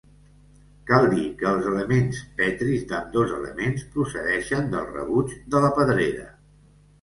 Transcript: Cal dir que els elements petris d'ambdós elements procedeixen del rebuig de la pedrera.